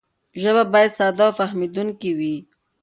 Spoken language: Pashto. ژبه باید ساده او فهمېدونکې وي.